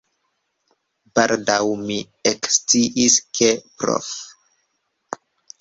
Baldaŭ mi eksciis, ke Prof.